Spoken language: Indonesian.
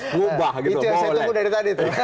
mubah gitu boleh